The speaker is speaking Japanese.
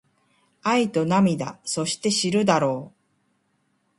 愛と涙そして知るだろう